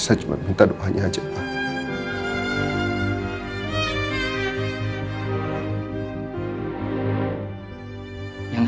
saya cuma minta doanya aja pak